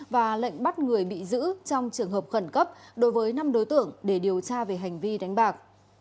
và lệnh bắt người bị giữ trong trường hợp khẩn cấp đối với năm đối tượng để điều tra về hành vi đánh bạc